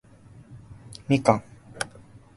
蜜柑